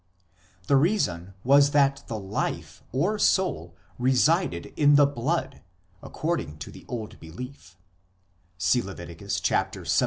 The reason was that the life or soul resided in the blood, according to the old belief (see Lev.